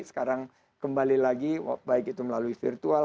sekarang kembali lagi baik itu melalui virtual